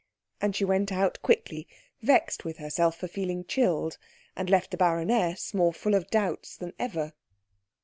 And she went out quickly, vexed with herself for feeling chilled, and left the baroness more full of doubts than ever.